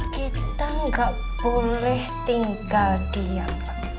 kita gak boleh tinggal diam